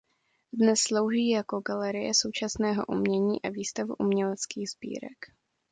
Dnes slouží jako galerie současného umění a výstavu uměleckých sbírek.